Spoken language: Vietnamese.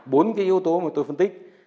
bốn cái yếu tố mà tôi phân tích